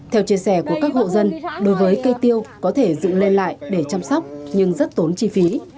theo chia sẻ của các hộ dân đối với cây tiêu có thể dựng lên lại để chăm sóc nhưng rất tốn chi phí